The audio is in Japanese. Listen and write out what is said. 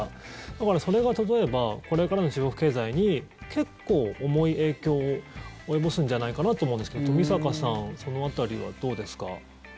だからそれが例えば、これからの中国経済に結構重い影響を及ぼんじゃないかなと思うんですけど冨坂さんその辺りはどうですか？